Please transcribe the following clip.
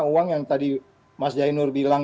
uang yang tadi mas jainur bilang